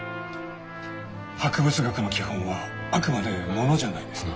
博物学の基本はあくまで「モノ」じゃないですか。